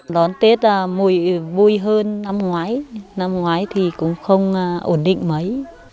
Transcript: đón tết mùi vui hơn năm ngoái năm ngoái thì cũng không ổn định mấy